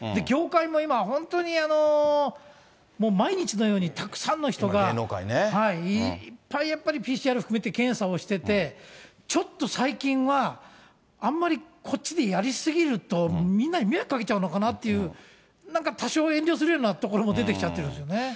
業界も今、本当にもう毎日のように、たくさんの人が、いっぱいやっぱりＰＣＲ含めて検査をしてて、ちょっと最近は、あんまりこっちでやり過ぎると、みんなに迷惑かけちゃうのかなっていう、なんか多少、遠慮するようなところも出てきちゃってるんですよね。